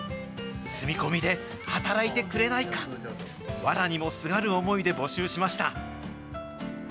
住み込みで働いてくれないか、わらにもすがる思いで募集しました。